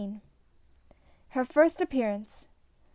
HER FIRST APPEARANCE.